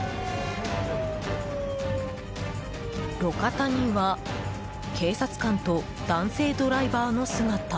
路肩には警察官と男性ドライバーの姿。